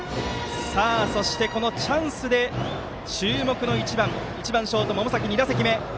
そしてこのチャンスで注目の１番ショートの百崎、２打席目。